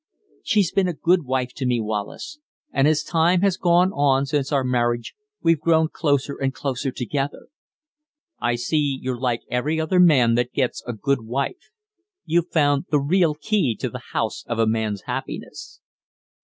"She's been a good wife to me, Wallace; and as time has gone on since our marriage we've grown closer and closer together." "I see you're like every other man that gets a good wife you've found the real key to the house of a man's happiness."